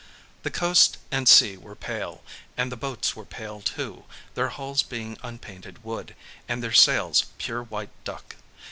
The coast and sea were pale, and the boats were pale too, their hulls being unpainted wood, and their sails pure white duck.